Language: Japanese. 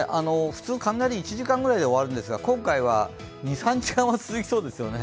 普通、雷は１時間ぐらいで終わるんですが、今回は２３時間は続きそうですよね。